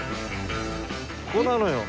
ここなのよ。